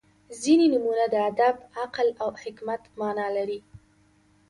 • ځینې نومونه د ادب، عقل او حکمت معنا لري.